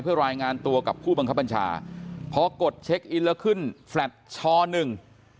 เพื่อรายงานตัวกับผู้บังคับบัญชาพอกดเช็คอินแล้วขึ้นแฟลต์ชอหนึ่ง